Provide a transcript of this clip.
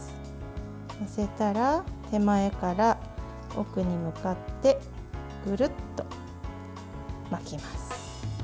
載せたら手前から奥に向かってぐるっと巻きます。